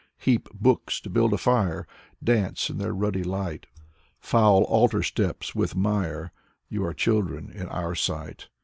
Heap books to build a fire! Dance in their ruddy light. Foul altar steps with mire: You are children in our sight.